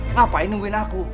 ngapain nungguin aku